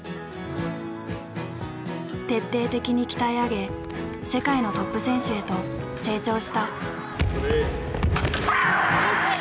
徹底的に鍛え上げ世界のトップ選手へと成長した。